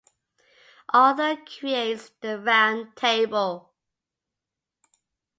Arthur creates the Round Table.